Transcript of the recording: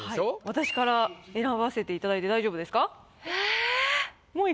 私から選ばせていただいて大丈夫ですか？